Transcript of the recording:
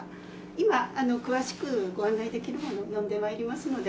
今詳しくご案内できる者を呼んで参りますので。